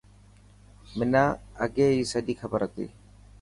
منان اگي هي سڄي کبر هتي.